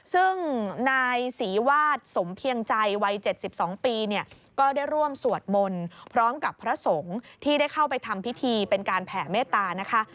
ซึ่งนายศรีวาสสมเพียงใจวัย๗๒ปีเนี่ยก็ได้ร่วมสวดมนต์พร้อมกับพระสงฆ์ที่ได้เข้าไปทำพิธีเป็นการแผ่เมตตานะคะ